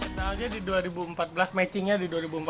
kenalnya di dua ribu empat belas matchingnya di dua ribu empat belas